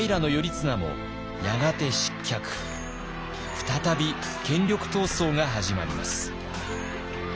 再び権力闘争が始まります。